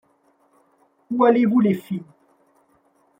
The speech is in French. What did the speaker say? Où allez-vous, les filles ?